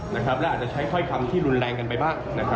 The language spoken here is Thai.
และอาจจะใช้ถ้อยคำที่รุนแรงกันไปบ้าง